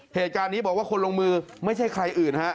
เหตุการณ์นี้บอกว่าคนลงมือไม่ใช่ใครอื่นฮะ